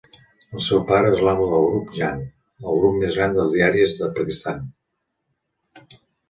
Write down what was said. El seu pare és l'amo del grup Jang, el grup més gran de diaris del Pakistan.